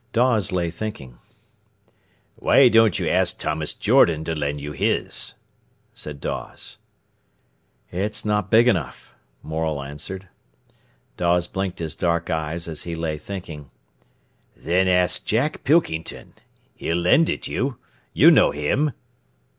Dawes lay thinking. "Why don't you ask Thomas Jordan to lend you his?" said Dawes. "It's not big enough," Morel answered. Dawes blinked his dark eyes as he lay thinking. "Then ask Jack Pilkington; he'd lend it you. You know him."